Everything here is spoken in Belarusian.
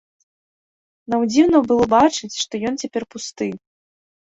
Нам дзіўна было бачыць, што ён цяпер пусты.